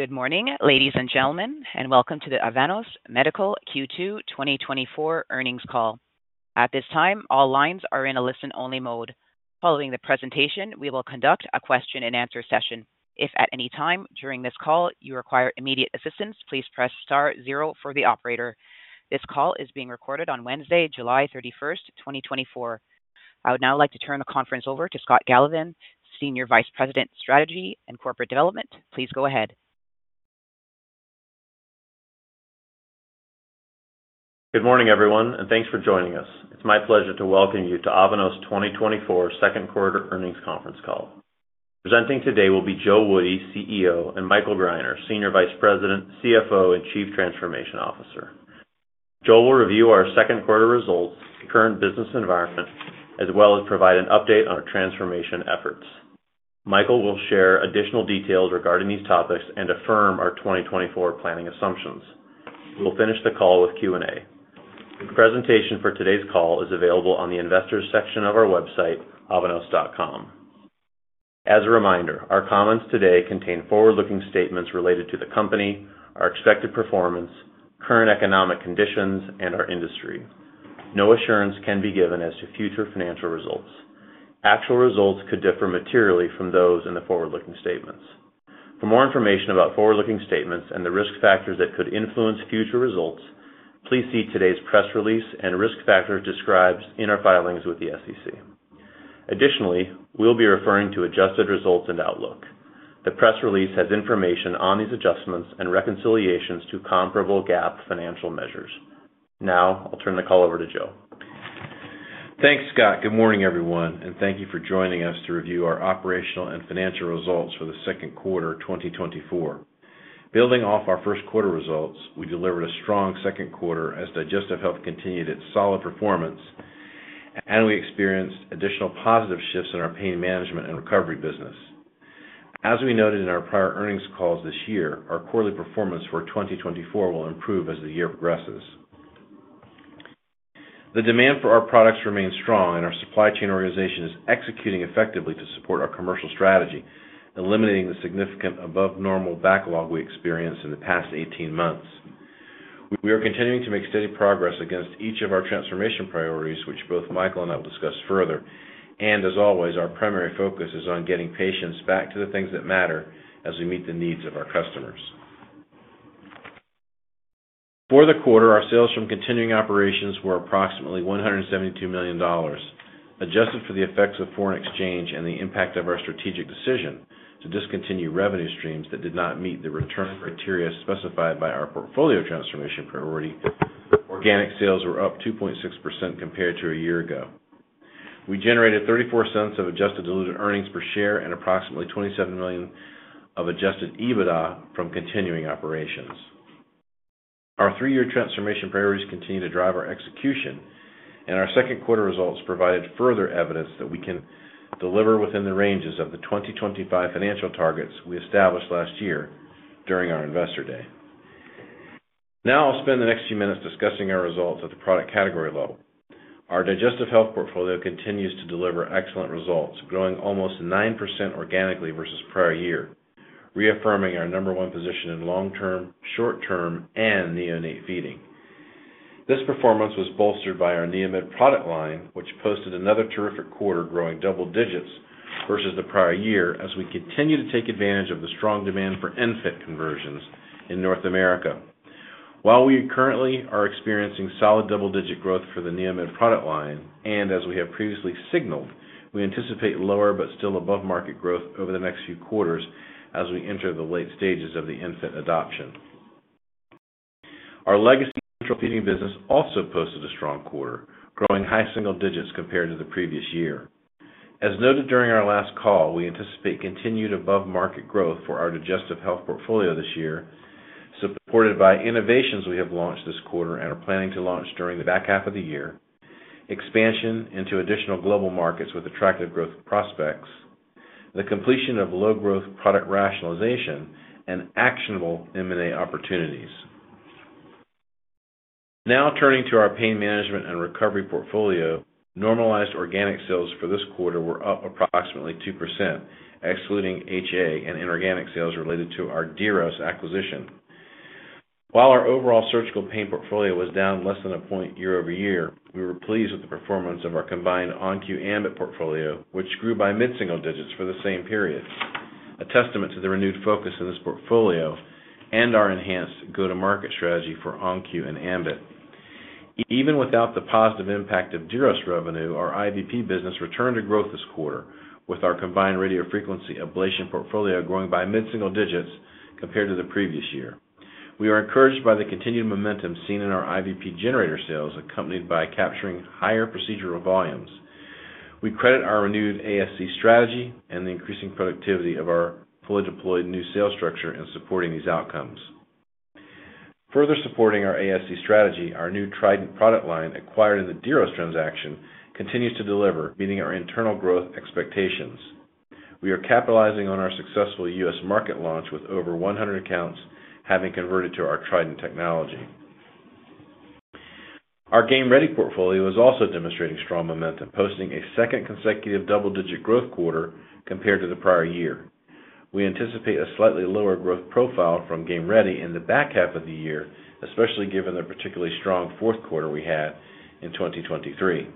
Good morning, ladies and gentlemen, and welcome to the Avanos Medical second quarter 2024 earnings call. At this time, all lines are in a listen-only mode. Following the presentation, we will conduct a question-and-answer session. If at any time during this call you require immediate assistance, please press star zero for the operator. This call is being recorded on Wednesday, July 31st, 2024. I would now like to turn the conference over to Scott Galovan, Senior Vice President, Strategy and Corporate Development. Please go ahead. Good morning, everyone, and thanks for joining us. It's my pleasure to welcome you to Avanos 2024 second quarter earnings conference call. Presenting today will be Joe Woody, CEO, and Michael Greiner, Senior Vice President, CFO, and Chief Transformation Officer. Joe will review our second quarter results, current business environment, as well as provide an update on our transformation efforts. Michael will share additional details regarding these topics and affirm our 2024 planning assumptions. We'll finish the call with Q&A. The presentation for today's call is available on the investors' section of our website, avanos.com. As a reminder, our comments today contain forward-looking statements related to the company, our expected performance, current economic conditions, and our industry. No assurance can be given as to future financial results. Actual results could differ materially from those in the forward-looking statements. For more information about forward-looking statements and the risk factors that could influence future results, please see today's press release and risk factors described in our filings with the SEC. Additionally, we'll be referring to adjusted results and outlook. The press release has information on these adjustments and reconciliations to comparable GAAP financial measures. Now, I'll turn the call over to Joe. Thanks, Scott. Good morning, everyone, and thank you for joining us to review our operational and financial results for the second quarter 2024. Building off our first quarter results, we delivered a strong second quarter as Digestive Health continued its solid performance, and we experienced additional positive shifts in our Pain Management and Recovery business. As we noted in our prior earnings calls this year, our quarterly performance for 2024 will improve as the year progresses. The demand for our products remains strong, and our supply chain organization is executing effectively to support our commercial strategy, eliminating the significant above-normal backlog we experienced in the past 18 months. We are continuing to make steady progress against each of our transformation priorities, which both Michael and I will discuss further. As always, our primary focus is on getting patients back to the things that matter as we meet the needs of our customers. For the quarter, our sales from continuing operations were approximately $172 million, adjusted for the effects of foreign exchange and the impact of our strategic decision to discontinue revenue streams that did not meet the return criteria specified by our portfolio transformation priority. Organic sales were up 2.6% compared to a year ago. We generated $0.34 of adjusted diluted earnings per share and approximately $27 million of adjusted EBITDA from continuing operations. Our three-year transformation priorities continue to drive our execution, and our second quarter results provided further evidence that we can deliver within the ranges of the 2025 financial targets we established last year during our investor day. Now, I'll spend the next few minutes discussing our results at the product category level. Our Digestive Health portfolio continues to deliver excellent results, growing almost 9% organically versus prior year, reaffirming our number one position in long-term, short-term, and neonate feeding. This performance was bolstered by our NeoMed product line, which posted another terrific quarter, growing double digits versus the prior year as we continue to take advantage of the strong demand for ENFit conversions in North America. While we currently are experiencing solid double-digit growth for the NeoMed product line, and as we have previously signaled, we anticipate lower but still above-market growth over the next few quarters as we enter the late stages of the ENFit adoption. Our legacy natural feeding business also posted a strong quarter, growing high single digits compared to the previous year. As noted during our last call, we anticipate continued above-market growth for our Digestive Health portfolio this year, supported by innovations we have launched this quarter and are planning to launch during the back half of the year, expansion into additional global markets with attractive growth prospects, the completion of low-growth product rationalization, and actionable M&A opportunities. Now turning to our Pain Management and Recovery portfolio, normalized organic sales for this quarter were up approximately 2%, excluding HA and inorganic sales relatedto our D acquisition. While our overall surgical pain portfolio was down less than a point year-over-year, we were pleased with the performance of our combined ON-Q ambIT portfolio, which grew by mid-single digits for the same period, a testament to the renewed focus in this portfolio and our enhanced go-to-market strategy for ON-Q and ambIT. Even without the positive impact of Diros revenue, our IVP business returned to growth this quarter, with our combined radiofrequency ablation portfolio growing by mid-single digits compared to the previous year. We are encouraged by the continued momentum seen in our IVP generator sales, accompanied by capturing higher procedural volumes. We credit our renewed ASC strategy and the increasing productivity of our fully deployed new sales structure in supporting these outcomes. Further supporting our ASC strategy, our new Trident product line acquired in the Diros transaction continues to deliver, meeting our internal growth expectations. We are capitalizing on our successful U.S. market launch with over 100 accounts having converted to our Trident technology. Our Game Ready portfolio is also demonstrating strong momentum, posting a second consecutive double-digit growth quarter compared to the prior year. We anticipate a slightly lower growth profile from Game Ready in the back half of the year, especially given the particularly strong fourth quarter we had in 2023.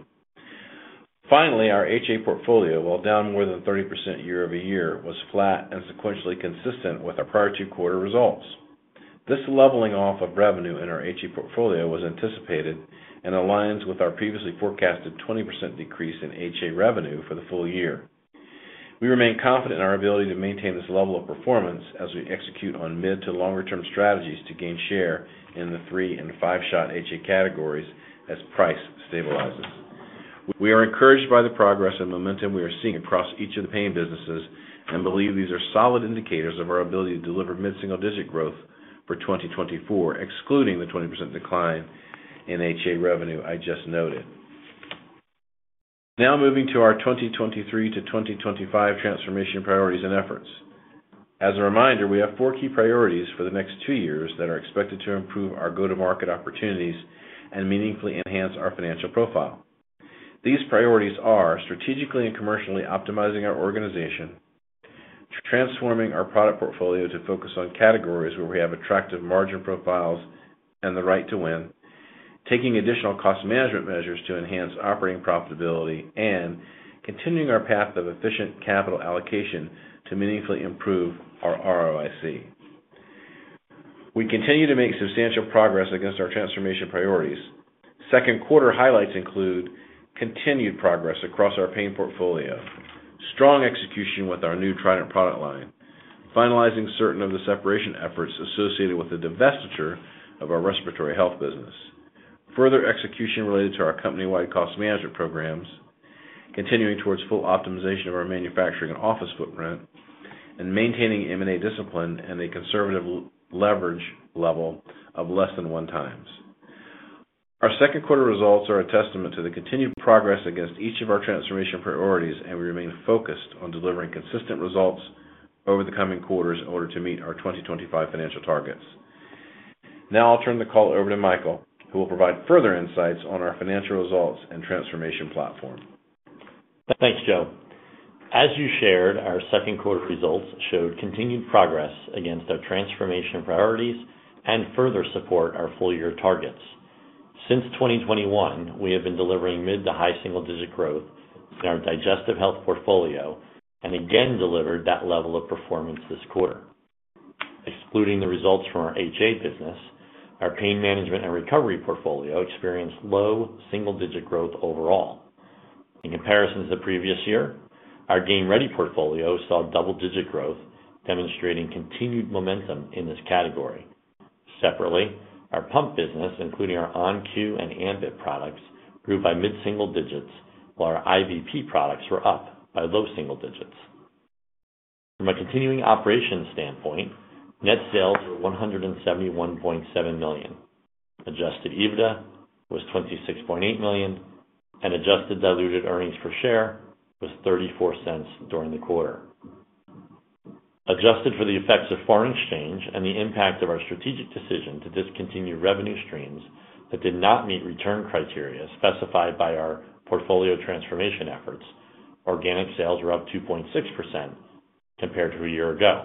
Finally, our HA portfolio, while down more than 30% year-over-year, was flat and sequentially consistent with our prior two-quarter results. This leveling off of revenue in our HA portfolio was anticipated and aligns with our previously forecasted 20% decrease in HA revenue for the full year. We remain confident in our ability to maintain this level of performance as we execute on mid- to longer-term strategies to gain share in the three and five-shot HA categories as price stabilizes. We are encouraged by the progress and momentum we are seeing across each of the pain businesses and believe these are solid indicators of our ability to deliver mid-single-digit growth for 2024, excluding the 20% decline in HA revenue I just noted. Now moving to our 2023 to 2025 transformation priorities and efforts. As a reminder, we have four key priorities for the next two years that are expected to improve our go-to-market opportunities and meaningfully enhance our financial profile. These priorities are strategically and commercially optimizing our organization, transforming our product portfolio to focus on categories where we have attractive margin profiles and the right to win, taking additional cost management measures to enhance operating profitability, and continuing our path of efficient capital allocation to meaningfully improve our ROIC. We continue to make substantial progress against our transformation priorities. Second quarter highlights include continued progress across our pain portfolio, strong execution with our new Trident product line, finalizing certain of the separation efforts associated with the divestiture of our Respiratory Health business, further execution related to our company-wide cost management programs, continuing towards full optimization of our manufacturing and office footprint, and maintaining M&A discipline and a conservative leverage level of less than 1x. Our second quarter results are a testament to the continued progress against each of our transformation priorities, and we remain focused on delivering consistent results over the coming quarters in order to meet our 2025 financial targets. Now I'll turn the call over to Michael, who will provide further insights on our financial results and transformation platform. Thanks, Joe. As you shared, our second quarter results showed continued progress against our transformation priorities and further support our full-year targets. Since 2021, we have been delivering mid to high single-digit growth in our Digestive Health portfolio and again delivered that level of performance this quarter. Excluding the results from our HA business, our Pain Management and Recovery portfolio experienced low single-digit growth overall. In comparison to the previous year, our Game Ready portfolio saw double-digit growth, demonstrating continued momentum in this category. Separately, our pump business, including our ON-Q and ambIT products, grew by mid-single digits, while our IVP products were up by low single digits. From a continuing operations standpoint, net sales were $171.7 million, adjusted EBITDA was $26.8 million, and adjusted diluted earnings per share was $0.34 during the quarter. Adjusted for the effects of foreign exchange and the impact of our strategic decision to discontinue revenue streams that did not meet return criteria specified by our portfolio transformation efforts, organic sales were up 2.6% compared to a year ago.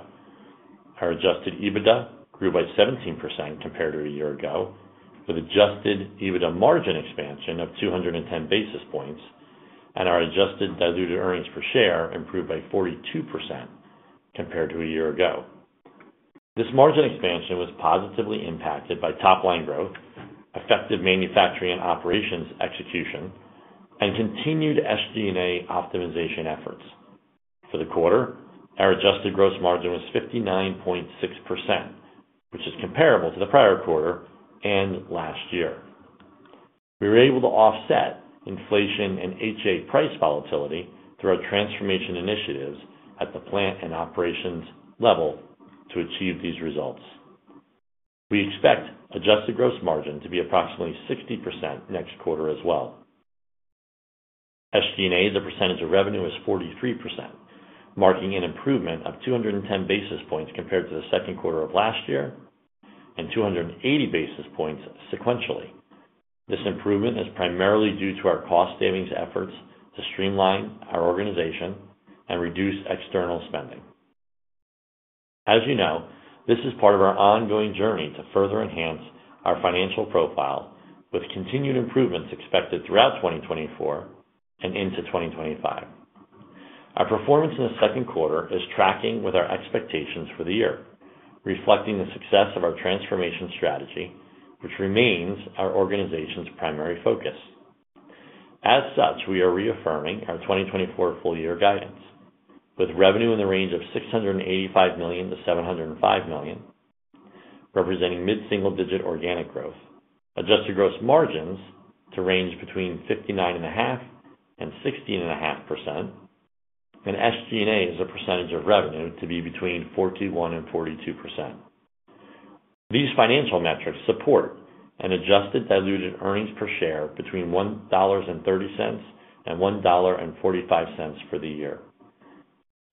Our adjusted EBITDA grew by 17% compared to a year ago, with adjusted EBITDA margin expansion of 210 basis points, and our adjusted diluted earnings per share improved by 42% compared to a year ago. This margin expansion was positively impacted by top-line growth, effective manufacturing and operations execution, and continued SG&A optimization efforts. For the quarter, our adjusted gross margin was 59.6%, which is comparable to the prior quarter and last year. We were able to offset inflation and HA price volatility through our transformation initiatives at the plant and operations level to achieve these results. We expect adjusted gross margin to be approximately 60% next quarter as well. SG&A's percentage of revenue was 43%, marking an improvement of 210 basis points compared to the second quarter of last year and 280 basis points sequentially. This improvement is primarily due to our cost-savings efforts to streamline our organization and reduce external spending. As you know, this is part of our ongoing journey to further enhance our financial profile, with continued improvements expected throughout 2024 and into 2025. Our performance in the second quarter is tracking with our expectations for the year, reflecting the success of our transformation strategy, which remains our organization's primary focus. As such, we are reaffirming our 2024 full-year guidance, with revenue in the range of $685 million-$705 million, representing mid-single digit organic growth, adjusted gross margins to range between 59.5%-60.5%, and SG&A as a percentage of revenue to be between 41%-42%. These financial metrics support an adjusted diluted earnings per share between $1.30 and $1.45 for the year,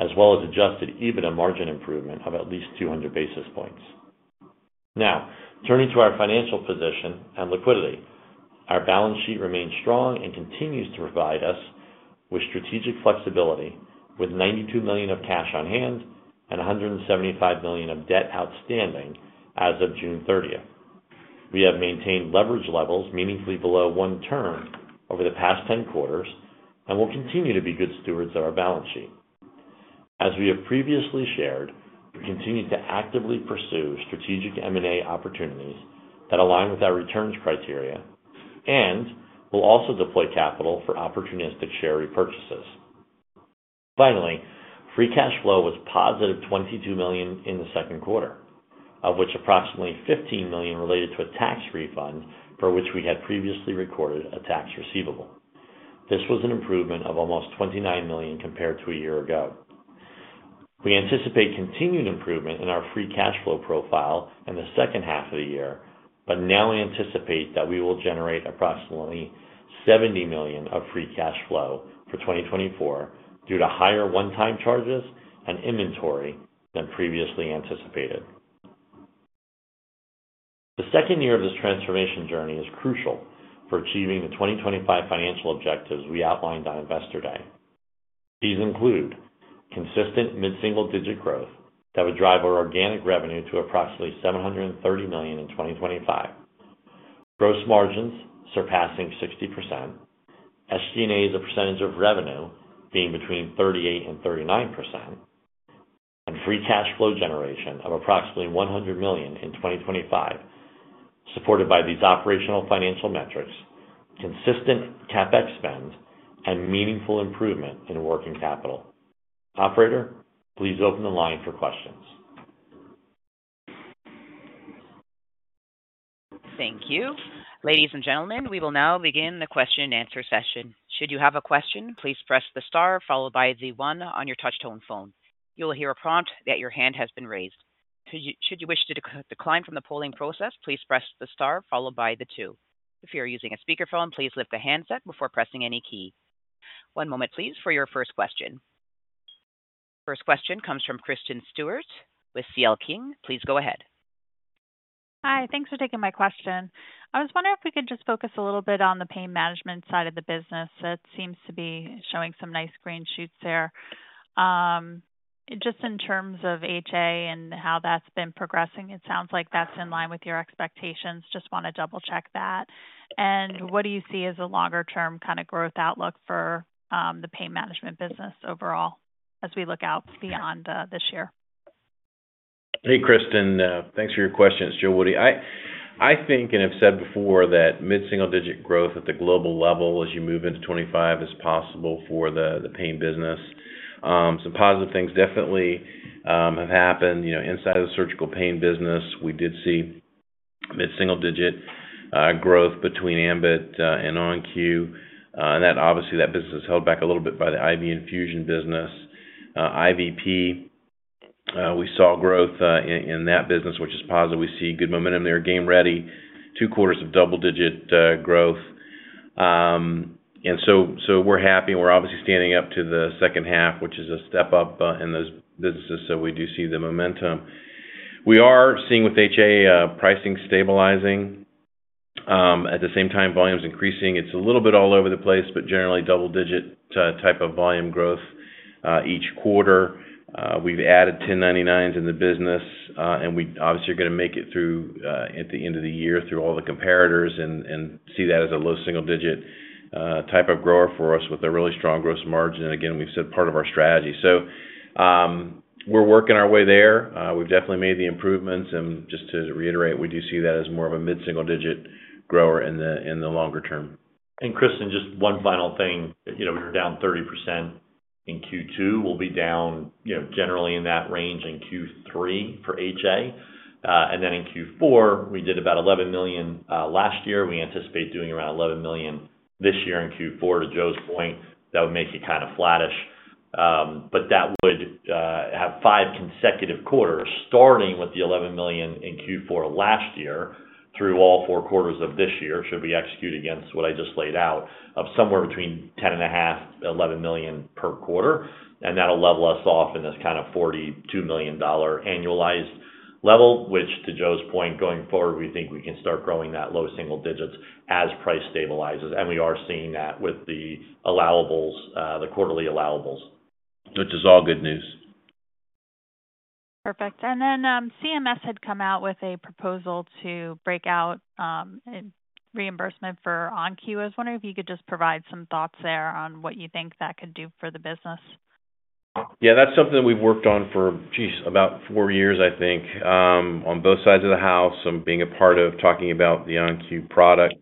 as well as adjusted EBITDA margin improvement of at least 200 basis points. Now, turning to our financial position and liquidity, our balance sheet remains strong and continues to provide us with strategic flexibility, with $92 million of cash on hand and $175 million of debt outstanding as of June 30th. We have maintained leverage levels meaningfully below one turn over the past 10 quarters and will continue to be good stewards of our balance sheet. As we have previously shared, we continue to actively pursue strategic M&A opportunities that align with our returns criteria and will also deploy capital for opportunistic share repurchases. Finally, free cash flow was positive $22 million in the quarter, of which approximately $15 million related to a tax refund for which we had previously recorded a tax receivable. This was an improvement of almost $29 million compared to a year ago. We anticipate continued improvement in our free cash flow profile in the second half of the year, but now anticipate that we will generate approximately $70 million of free cash flow for 2024 due to higher one-time charges and inventory than previously anticipated. The second year of this transformation journey is crucial for achieving the 2025 financial objectives we outlined on Investor Day. These include consistent mid-single digit growth that would drive our organic revenue to approximately $730 million in 2025, gross margins surpassing 60%, SG&A's percentage of revenue being between 38%-39%, and free cash flow generation of approximately $100 million in 2025, supported by these operational financial metrics, consistent CapEx spend, and meaningful improvement in working capital. Operator, please open the line for questions. Thank you. Ladies and gentlemen, we will now begin the question and answer session. Should you have a question, please press the star followed by the one on your touchtone phone. You will hear a prompt that your hand has been raised. Should you wish to decline from the polling process, please press the star followed by the two. If you are using a speakerphone, please lift the handset before pressing any key. One moment, please, for your first question. First question comes from Kristen Stewart with C.L. King. Please go ahead. Hi, thanks for taking my question. I was wondering if we could just focus a little bit on the pain management side of the business. It seems to be showing some nice green shoots there. Just in terms of HA and how that's been progressing, it sounds like that's in line with your expectations. Just want to double-check that. And what do you see as a longer-term kind of growth outlook for the pain management business overall as we look out beyond this year? Hey, Kristen. Thanks for your questions, Joe Woody. I think, and have said before, that mid-single digit growth at the global level as you move into 2025 is possible for the pain business. Some positive things definitely have happened. Inside of the surgical pain business, we did see mid-single digit growth between ambIT and On-Q. And obviously, that business is held back a little bit by the IV infusion business. IVP, we saw growth in that business, which is positive. We see good momentum there. Game Ready, two quarters of double-digit growth. And so we're happy. We're obviously standing up to the second half, which is a step up in those businesses, so we do see the momentum. We are seeing with HA pricing stabilizing. At the same time, volume is increasing. It's a little bit all over the place, but generally double-digit type of volume growth each quarter. We've added 1099s in the business, and we obviously are going to make it through at the end of the year through all the comparators and see that as a low single-digit type of grower for us with a really strong gross margin. Again, we've said part of our strategy. So we're working our way there. We've definitely made the improvements. And just to reiterate, we do see that as more of a mid-single digit grower in the longer term. Kristen, just one final thing. We were down 30% in second quarter. We'll be down generally in that range in Q3 for HA. quarThen in Q4, we did about $11 million last year. We anticipate doing around $11 million this year in Q4. To Joe's point, that would make it kind of flattish. But that would have 5 consecutive quarters, starting with the $11 million in Q4 last year through all 4 quarters of this year, should we execute against what I just laid out of somewhere between $10.5-$11 million per quarter. And that'll level us off in this kind of $42 million annualized level, which to Joe's point, going forward, we think we can start growing that low single digits as price stabilizes. And we are seeing that with the allowables, the quarterly allowables, which is all good news. Perfect. And then CMS had come out with a proposal to break out reimbursement for ON-Q. I was wondering if you could just provide some thoughts there on what you think that could do for the business. Yeah, that's something that we've worked on for, geez, about four years, I think, on both sides of the house and being a part of talking about the ON-Q product.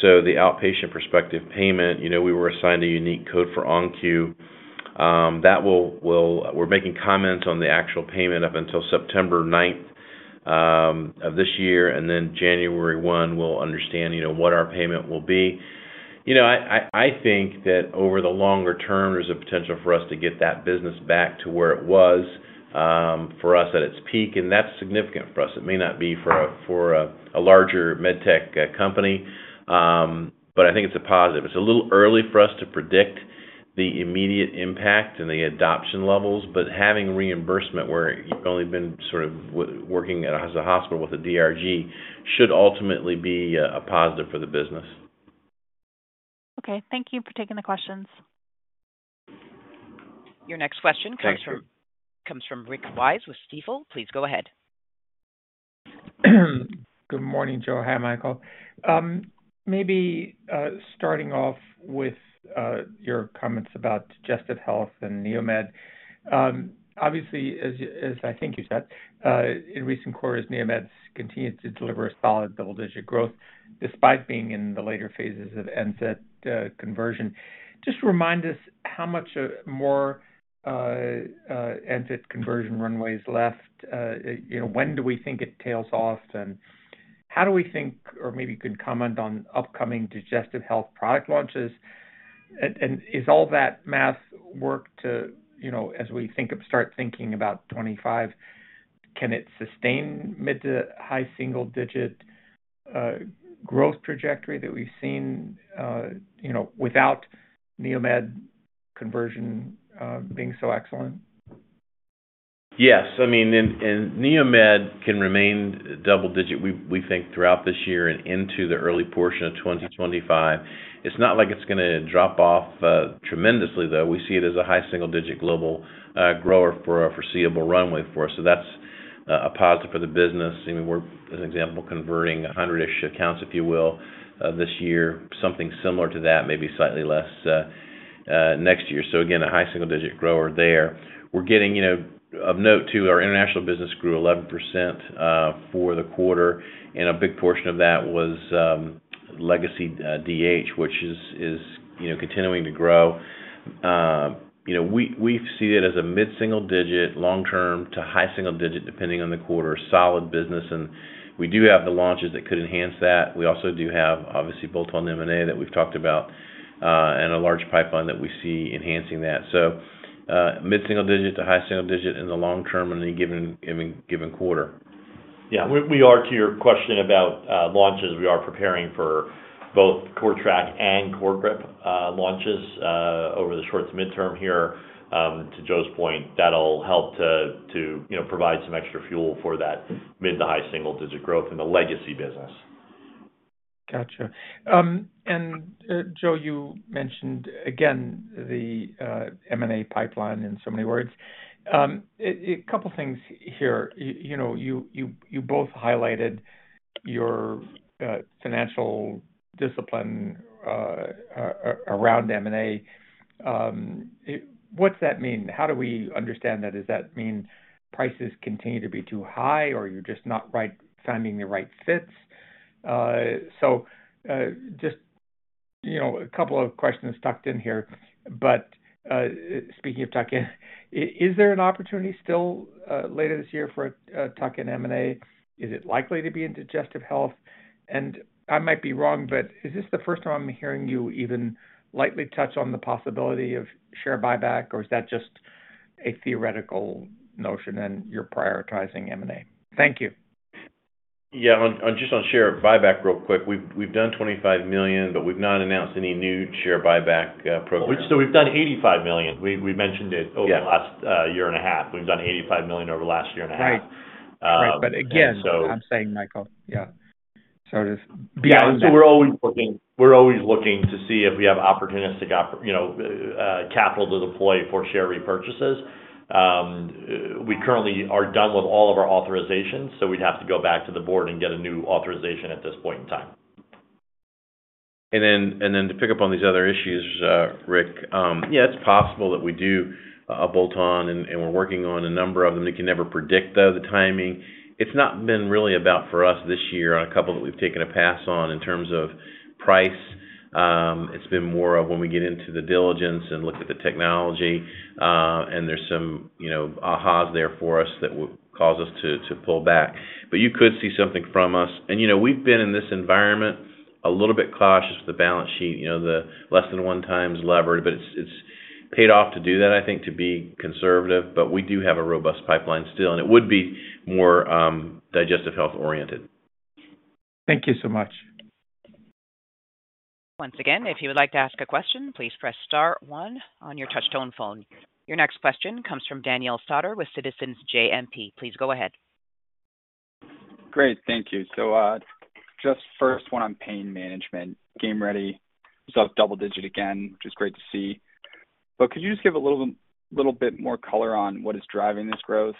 So the outpatient prospective payment, we were assigned a unique code for ON-Q. We're making comments on the actual payment up until September 9th of this year. And then January 1, we'll understand what our payment will be. I think that over the longer term, there's a potential for us to get that business back to where it was for us at its peak. And that's significant for us. It may not be for a larger med tech company, but I think it's a positive. It's a little early for us to predict the immediate impact and the adoption levels. But having reimbursement where you've only been sort of working as a hospital with a DRG should ultimately be a positive for the business. Okay. Thank you for taking the questions. Your next question comes from Rick Wise with Stifel. Please go ahead. Good morning, Joe. Hi, Michael. Maybe starting off with your comments about digestive health and NeoMed. Obviously, as I think you said, in recent quarters, NeoMed has continued to deliver a solid double-digit growth despite being in the later phases of ENFit conversion. Just remind us how much more ENFit conversion runway is left. When do we think it tails off? And how do we think, or maybe you can comment on upcoming digestive health product launches? And is all that math work to, as we start thinking about 2025, can it sustain mid to high single-digit growth trajectory that we've seen without NeoMed conversion being so excellent? Yes. I mean, NeoMed can remain double-digit, we think, throughout this year and into the early portion of 2025. It's not like it's going to drop off tremendously, though. We see it as a high single-digit global grower for a foreseeable runway for us. So that's a positive for the business. I mean, we're, as an example, converting 100-ish accounts, if you will, this year. Something similar to that, maybe slightly less next year. So again, a high single-digit grower there. We're getting, of note, too, our international business grew 11% for the quarter. And a big portion of that was legacy DH, which is continuing to grow. We see it as a mid-single digit, long-term to high single digit, depending on the quarter, solid business. And we do have the launches that could enhance that. We also do have, obviously, bolt-on M&A that we've talked about and a large pipeline that we see enhancing that. So mid-single digit to high single digit in the long term in any given quarter. Yeah. We [will answer] your question about launches. We are preparing for both CORTRAK and CORGRIP launches over the short to midterm here. To Joe's point, that'll help to provide some extra fuel for that mid- to high single-digit growth in the legacy business. Gotcha. And Joe, you mentioned, again, the M&A pipeline in so many words. A couple of things here. You both highlighted your financial discipline around M&A. What's that mean? How do we understand that? Does that mean prices continue to be too high, or are you just not finding the right fits? So just a couple of questions tucked in here. But speaking of tuck-in, is there an opportunity still later this year for a tuck-in M&A? Is it likely to be in digestive health? And I might be wrong, but is this the first time I'm hearing you even lightly touch on the possibility of share buyback, or is that just a theoretical notion and you're prioritizing M&A? Thank you. Yeah. Just on share buyback real quick, we've done $25 million, but we've not announced any new share buyback program. So we've done $85 million. We mentioned it over the last year and a half. We've done $85 million over the last year and a half. Right. Right. But again, I'm saying, Michael, yeah. So just beyond that. Yeah. So we're always looking to see if we have opportunistic capital to deploy for share repurchases. We currently are done with all of our authorizations, so we'd have to go back to the board and get a new authorization at this point in time. And then to pick up on these other issues, Rick, yeah, it's possible that we do a bolt-on, and we're working on a number of them. We can never predict, though, the timing. It's not been really about for us this year on a couple that we've taken a pass on in terms of price. It's been more of when we get into the diligence and look at the technology, and there's some ahas there for us that will cause us to pull back. But you could see something from us. And we've been in this environment a little bit cautious with the balance sheet, the less than one times levered, but it's paid off to do that, I think, to be conservative. But we do have a robust pipeline still, and it would be more digestive health oriented. Thank you so much. Once again, if you would like to ask a question, please press star one on your touchtone phone. Your next question comes from Daniel Stauder with Citizens JMP. Please go ahead. Great. Thank you. So just first, one on pain management. Game Ready is up double-digit again, which is great to see. But could you just give a little bit more color on what is driving this growth?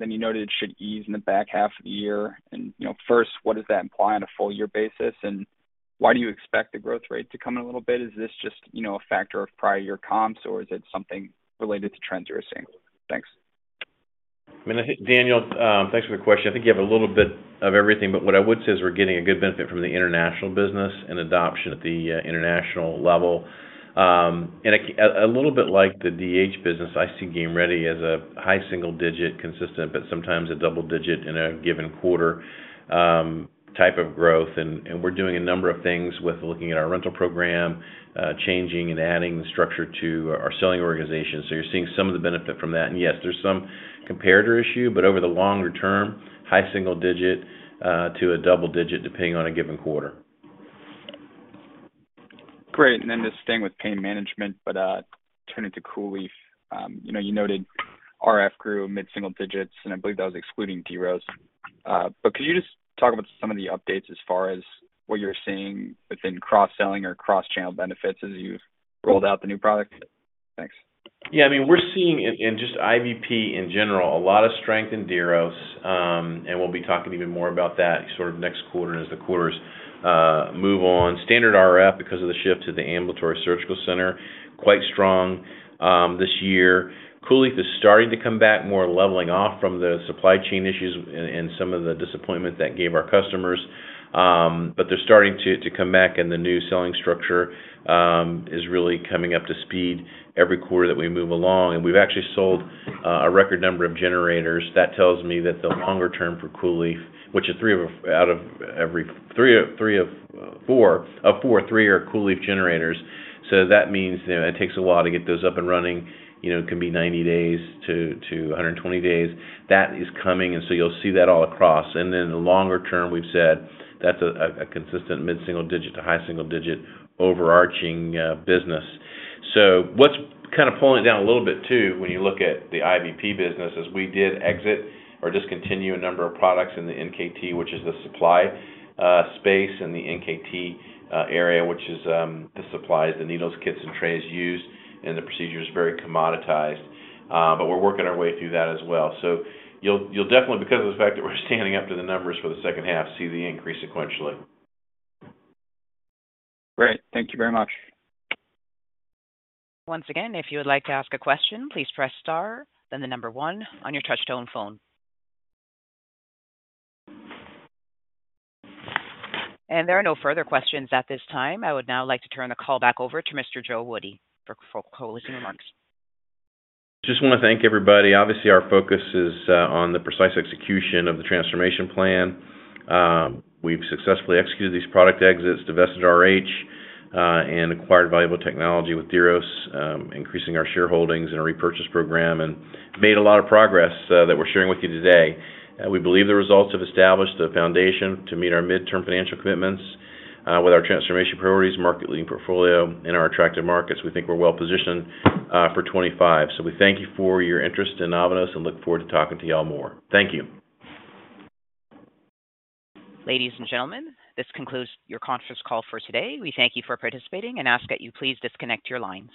Then you noted it should ease in the back half of the year. And first, what does that imply on a full-year basis? And why do you expect the growth rate to come in a little bit? Is this just a factor of prior year comps, or is it something related to trends you're seeing? Thanks. I mean, Daniel, thanks for the question. I think you have a little bit of everything. But what I would say is we're getting a good benefit from the international business and adoption at the international level. And a little bit like the DH business, I see Game Ready as a high single-digit, consistent, but sometimes a double digit in a given quarter type of growth. And we're doing a number of things with looking at our rental program, changing and adding the structure to our selling organization. So you're seeing some of the benefit from that. And yes, there's some comparator issue, but over the longer term, high single digit to a double digit depending on a given quarter. Great. And then just staying with pain management, but turning to COOLIEF, you noted RF grew mid-single digits, and I believe that was excluding Diros. But could you just talk about some of the updates as far as what you're seeing within cross-selling or cross-channel benefits as you've rolled out the new product? Thanks. Yeah. I mean, we're seeing in just IVP in general, a lot of strength in Diros. And we'll be talking even more about that sort of next quarter as the quarters move on. Standard RF, because of the shift to the ambulatory surgical center, quite strong this year. COOLIEF is starting to come back, more leveling off from the supply chain issues and some of the disappointment that gave our customers. But they're starting to come back, and the new selling structure is really coming up to speed every quarter that we move along. And we've actually sold a record number of generators. That tells me that the longer term for COOLIEF, which are three out of every four of four, three are COOLIEF generators. So that means it takes a while to get those up and running. It can be 90-120 days. That is coming, and so you'll see that all across. Then the longer term, we've said that's a consistent mid-single digit to high single digit overarching business. So what's kind of pulling it down a little bit too when you look at the IVP business is we did exit or discontinue a number of products in the NKT, which is the supply space, and the NKT area, which is the supplies, the needles, kits, and trays used. And the procedure is very commoditized. But we're working our way through that as well. So you'll definitely, because of the fact that we're standing up to the numbers for the second half, see the increase sequentially. Great. Thank you very much. Once again, if you would like to ask a question, please press star, then the number one on your touchtone phone. There are no further questions at this time. I would now like to turn the call back over to Mr. Joe Woody for closing remarks. Just want to thank everybody. Obviously, our focus is on the precise execution of the transformation plan. We've successfully executed these product exits, divested RH, and acquired valuable technology with Diros, increasing our shareholdings in a repurchase program, and made a lot of progress that we're sharing with you today. We believe the results have established a foundation to meet our midterm financial commitments with our transformation priorities, market-leading portfolio, and our attractive markets. We think we're well-positioned for 2025. So we thank you for your interest in Avanos and look forward to talking to you all more. Thank you. Ladies and gentlemen, this concludes your conference call for today. We thank you for participating and ask that you please disconnect your lines.